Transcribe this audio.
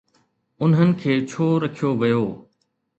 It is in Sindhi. انهن کي ڇو رکيو ويو؟